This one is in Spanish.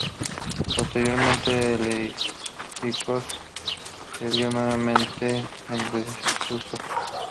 Posteriormente el edificio se vio nuevamente en desuso.